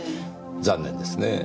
残念ですねぇ。